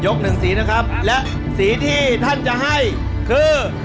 หนึ่งสีนะครับและสีที่ท่านจะให้คือ